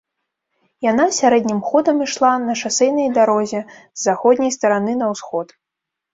Яна сярэднім ходам ішла на шасэйнай дарозе з заходняй стараны на ўсход.